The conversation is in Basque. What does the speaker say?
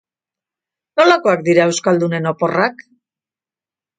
Nolakoak dira euskaldunen oporrak?